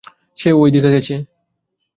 সে ঐ দিকে গেছে!